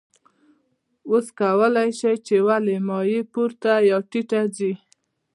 اوس کولی شئ چې ولې مایع پورته یا ټیټه ځي.